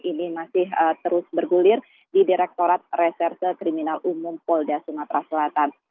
ini masih terus bergulir di direktorat reserse kriminal umum polda sumatera selatan